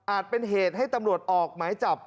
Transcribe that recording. เป็นเหตุให้ตำรวจออกหมายจับ